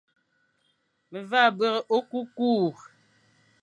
Ve vagha bere okukur,